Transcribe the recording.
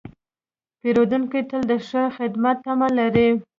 پیرودونکی تل د ښه خدمت تمه لري.